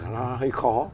nó hơi khó